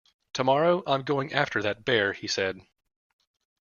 Tomorrow I'm going after that bear, he said.